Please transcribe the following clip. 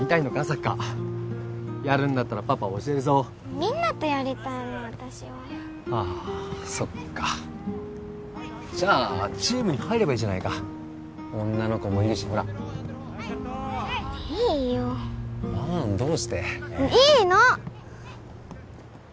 サッカーやるんだったらパパ教えるぞみんなとやりたいの私はああそっかじゃあチームに入ればいいじゃないか女の子もいるしほらいいよ何どうしていいの！